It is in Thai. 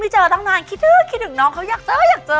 ไม่เจอตั้งนานคิดถึงน้องเค้าอยากเจอ